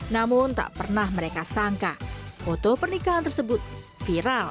namun tak pernah mereka sangka foto pernikahan tersebut viral